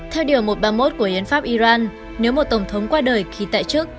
theo điều một trăm ba mươi một của hiến pháp iran nếu một tổng thống qua đời khi tại chức